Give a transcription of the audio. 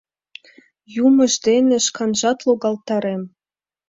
Йӱмыж дене шканжат логалтарем.